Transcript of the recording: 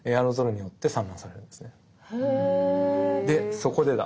「そこでだ」。